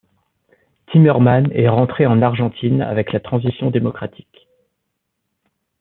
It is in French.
Timerman est rentré en Argentine avec la transition démocratique.